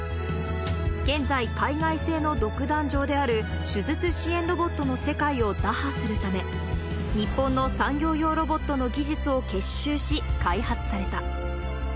現在、海外製の独壇場である手術支援ロボットの世界を打破するため、日本の産業用ロボットの技術を結集し、開発された。